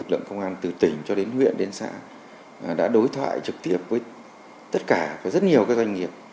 lực lượng công an từ tỉnh cho đến huyện đến xã đã đối thoại trực tiếp với tất cả và rất nhiều doanh nghiệp